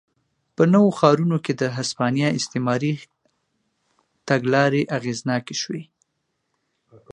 په نویو ښارونو کې د هسپانیا استعماري تګلارې اغېزناکې شوې.